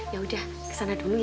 ya udah kesana dulu